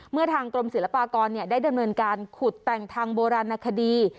ทางกรมศิลปากรได้ดำเนินการขุดแต่งทางโบราณคดี